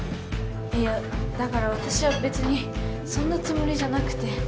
いやだから私は別にそんなつもりじゃなくて。